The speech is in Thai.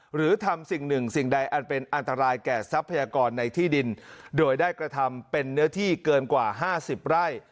หรือทำสิ่งหนึ่งสิ่งใดอันเป็นอันตรายแก่ทรัพยากรในที่ดินโดยได้กระทำเป็นเนื้อที่เกินกว่า๕๐ไร่